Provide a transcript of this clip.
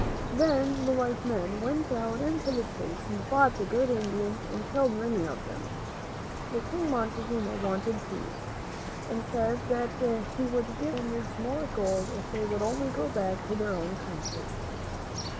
Then the white men went out into the streets and fought the good Indians and killed many of them. The kind King Montezuma wanted peace, and said that he would give the Spaniards more gold if they would only go back to their own country.